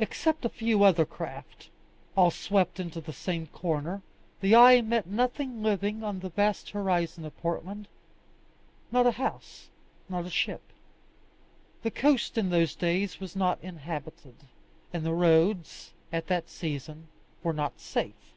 Except a few other craft, all swept into the same corner, the eye met nothing living on the vast horizon of Portland not a house, not a ship. The coast in those days was not inhabited, and the roads, at that season, were not safe.